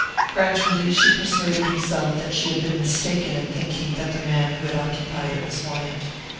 Gradually she persuaded herself that she had been mistaken in thinking that the man who had occupied it was Wyant.